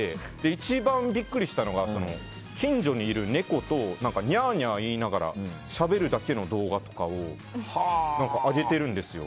一番ビックリしたのが近所にいる猫とニャーニャー言いながらしゃべるだけの動画とかを上げてるんですよ。